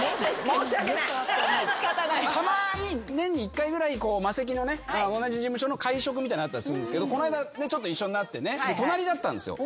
たまに年に１回ぐらいマセキのね同じ事務所の会食みたいなのあったりするんですけどこの間一緒になってね隣だったんですよ。